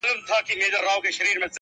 خداى دي ساته له بــېـلــتــــونـــــه,